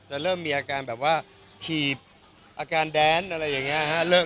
เริ่มมีอาการแบบว่าถีบอาการแดนอะไรอย่างนี้ฮะ